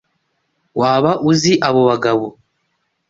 Waba uzi abo bagabo?